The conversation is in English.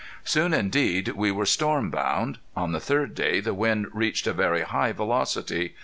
Soon indeed we were storm bound. On the third day the wind reached a very high velocity.